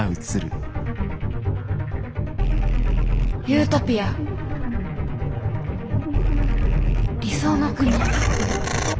ユートピア理想の国。